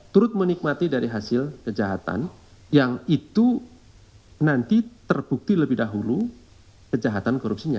turut menikmati dari hasil kejahatan yang itu nanti terbukti lebih dahulu kejahatan korupsinya